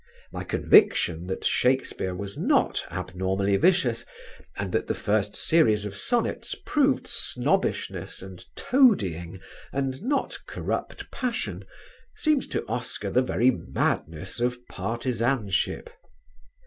My conviction that Shakespeare was not abnormally vicious, and that the first series of Sonnets proved snobbishness and toadying and not corrupt passion, seemed to Oscar the very madness of partisanship.